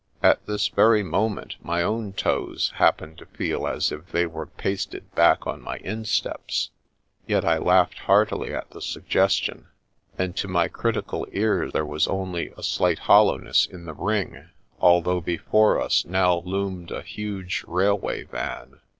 At this very moment my own toes happened to feel as if they were pasted back on my insteps ; yet I laughed heartily at the suggestion, and to my critical ear there was only a slight hoUowness in the ring, although before us now loomed a huge railway van.